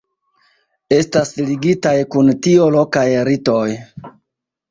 Estas ligitaj kun tio lokaj ritoj.